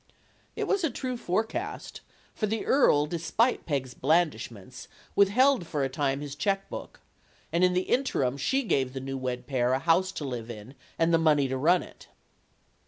It was a true forecast, for the earl, despite Peg's blandishments, withheld for a time his check book. And in the interim she gave the new wed pair a house to live in and the money to run it.